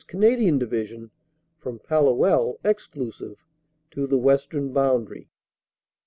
Canadian Division from Palluel (exclusive) to the western boundary.